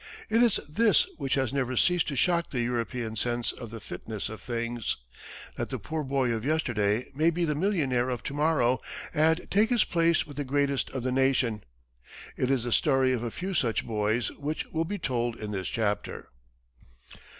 It is this which has never ceased to shock the European sense of the fitness of things that the poor boy of yesterday may be the millionaire of to morrow and take his place with the greatest of the nation. It is the story of a few such boys which will be told in this chapter.